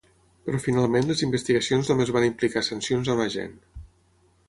Però finalment les investigacions només van implicar sancions a un agent.